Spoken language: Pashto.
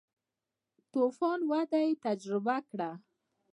تو فان وده یې تجربه کړه.